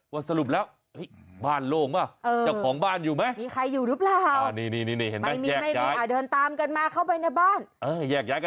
อยู่ในบ้านเออเจ้าของบ้านเขาบอกโอ้โห